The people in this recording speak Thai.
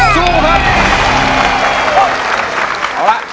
สู้ค่ะ